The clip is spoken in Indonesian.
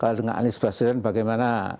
kalau dengan anies basiran bagaimana